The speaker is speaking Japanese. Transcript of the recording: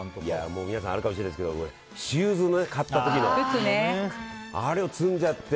もう皆さんあるかもしれないですがシューズを買った時の。あれを積んじゃって。